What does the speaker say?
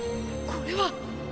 これは！？